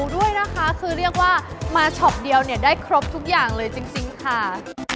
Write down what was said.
ด้วยนะคะคือเรียกว่ามาช็อปเดียวเนี่ยได้ครบทุกอย่างเลยจริงค่ะ